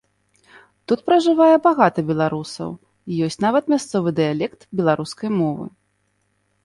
Тут пражывае багата беларусаў, ёсць нават мясцовы дыялект беларускай мовы.